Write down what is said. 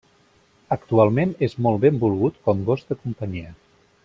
Actualment és molt benvolgut com gos de companyia.